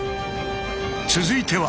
続いては。